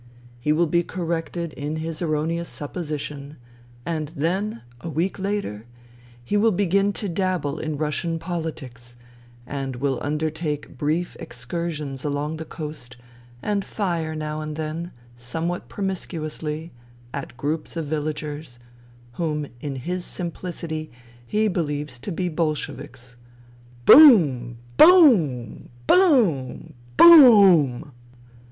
' He will be cor rected in his erroneous supposition ; and then, a week later, he will begin to dabble in Russian politics and will undertake brief excursions along the coast and fire now and then, somewhat promiscuously, at groups of villagers, whom in his simplicity he believes to be Bolsheviks — boom — boom — boom — boom